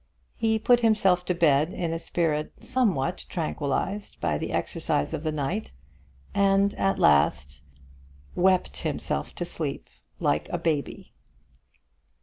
He put himself to bed in a spirit somewhat tranquillised by the exercise of the night, and at last wept himself to sleep like a baby.